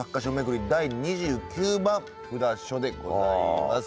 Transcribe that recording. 第２９番札所でございます。